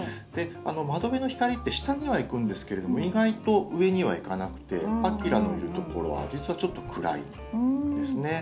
窓辺の光って下には行くんですけれども意外と上には行かなくてパキラのいるところは実はちょっと暗いんですね。